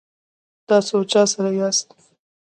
تاسو چا سره یاست؟